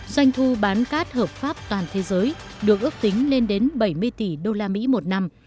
doanh thu bán cát hợp pháp toàn thế giới được ước tính lên đến bảy mươi tỷ usd một năm